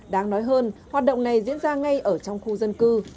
đáng nói hơn hoạt động này diễn ra ngay ở trong khu dân cư